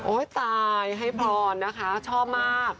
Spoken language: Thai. โอ้ตายให้ปอนนะคะชอบมาก